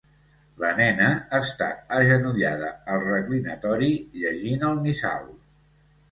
La nena està agenollada al reclinatori llegint el missal.